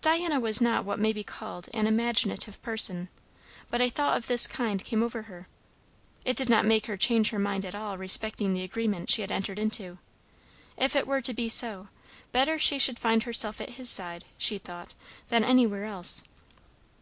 Diana was not what may be called an imaginative person, but a thought of this kind came over her. It did not make her change her mind at all respecting the agreement she had entered into; if it were to be so, better she should find herself at his side, she thought, than anywhere else.